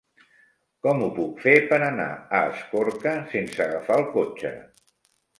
Com ho puc fer per anar a Escorca sense agafar el cotxe?